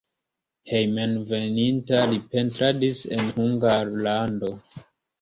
Hejmenveninta li pentradis en Hungarlando.